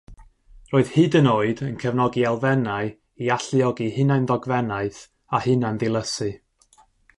Roedd hyd yn oed yn cefnogi elfennau i alluogi hunan-ddogfennaeth a hunan-ddilysu.